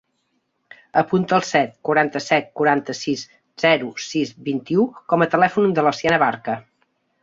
Apunta el set, quaranta-set, quaranta-sis, zero, sis, vint-i-u com a telèfon de la Siena Barca.